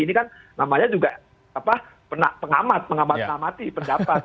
ini kan namanya juga pengamat pengamat pengamati pendapat